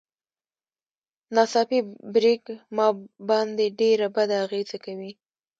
ناڅاپي بريک ما باندې ډېره بده اغېزه کوي.